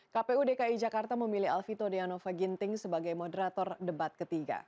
kpu dki jakarta memilih alvito deanova ginting sebagai moderator debat ketiga